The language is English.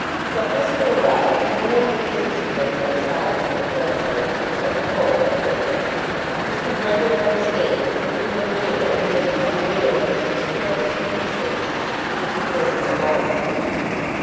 Till Fisker arrived no one had visited them in their solitude at Hampstead, except Croll, the clerk. Mr. Brehgert had abstained, thinking that a widow, who had become a widow under such terrible circumstances, would prefer to be alone.